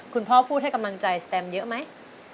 พูดให้กำลังใจสแตมเยอะไหม